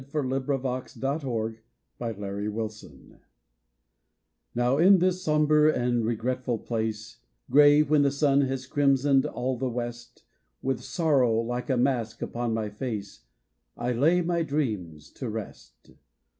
.. 144 xvi POEMS AND SONGS IN MEMORIAM Now, in this sombre and regretful place, Grey when the sun has crimsoned all the west, With sorrow like a mask upon my face, I lay my dreams to rest.